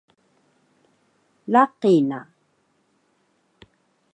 Laqi na